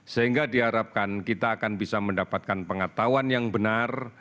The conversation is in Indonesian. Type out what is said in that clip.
sehingga diharapkan kita akan bisa mendapatkan pengetahuan yang benar